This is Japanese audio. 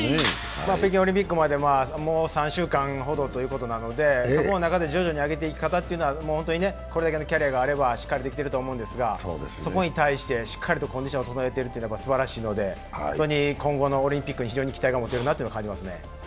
北京オリンピックまでもう３週間ほどという中なので、そこの中で徐々に上げていくというのはこれだけキャリアがあればしっかりできてると思うんですが、そこに対してしっかりとコンディションを整えているのがすばらしいので、今後のオリンピックに非常に期待が持てるなと感じますね。